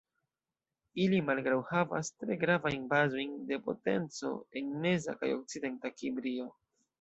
Ili malgraŭ havas tre gravajn bazojn de potenco en meza kaj okcidenta Kimrio.